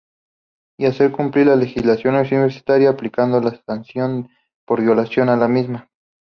Y hacer cumplir la legislación universitaria aplicando las sanciones por violación a la misma.